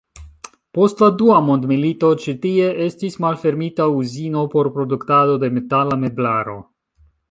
Post la dua mondmilito ĉi tie estis malfermita uzino por produktado de metala meblaro.